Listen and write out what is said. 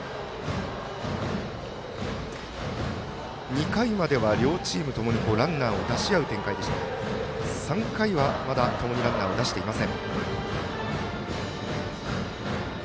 ２回までは両チームともにランナーを出し合う展開でしたが３回はまだともにランナーを出していません。